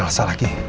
kok kayak panik gitu